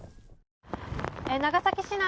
長崎市内